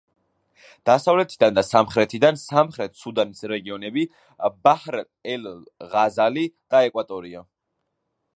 დასავლეთიდან და სამხრეთიდან სამხრეთ სუდანის რეგიონები ბაჰრ-ელ-ღაზალი და ეკვატორია.